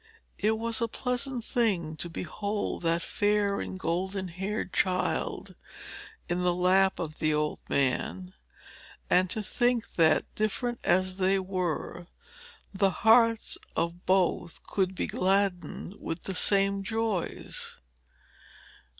It was a pleasant thing to behold that fair and golden haired child in the lap of the old man, and to think that, different as they were, the hearts of both could be gladdened with the same joys.